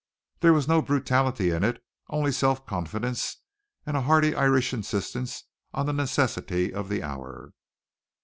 There was no brutality in it, only self confidence and a hearty Irish insistence on the necessity of the hour.